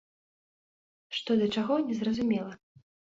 Што да чаго не зразумела.